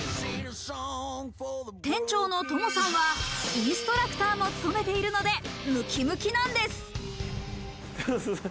店長のＴＯＭＯさんはインストラクターも務めているのでムキムキなんです。